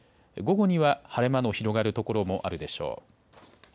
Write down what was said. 午後には晴れ間の広がる所もあるでしょう。